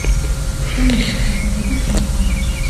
შენობის ფასადები სადაა.